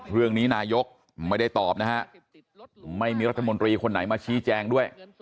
เรื่องนี้นายกไม่ได้ตอบนะฮะไม่มีรัฐมนตรีคนไหนมาชี้แจงด้วย